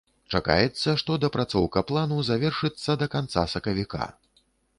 Чакаецца, што дапрацоўка плану завершыцца да канца сакавіка.